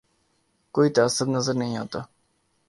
کوئی تعصب نظر نہیں آتا